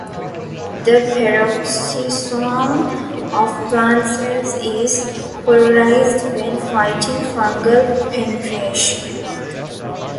The peroxisome of plant cells is polarised when fighting fungal penetration.